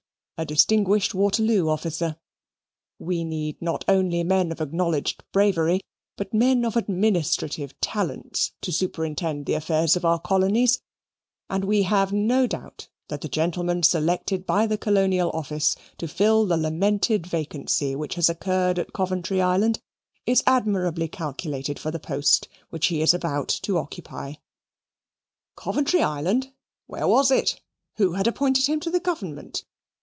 B., a distinguished Waterloo officer. We need not only men of acknowledged bravery, but men of administrative talents to superintend the affairs of our colonies, and we have no doubt that the gentleman selected by the Colonial Office to fill the lamented vacancy which has occurred at Coventry Island is admirably calculated for the post which he is about to occupy. "Coventry Island! Where was it? Who had appointed him to the government?